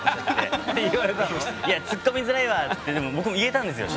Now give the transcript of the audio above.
「いやつっこみづらいわ」って僕も言えたんですよ